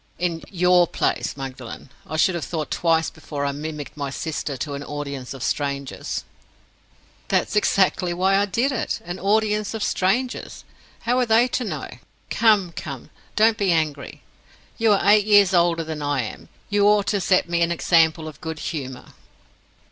"In your place, Magdalen, I should have thought twice before I mimicked my sister to an audience of strangers." "That's exactly why I did it—an audience of strangers. How were they to know? Come! come! don't be angry. You are eight years older than I am—you ought to set me an example of good humor."